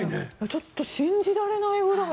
ちょっと信じられないくらい。